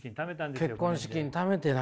結婚資金ためてな。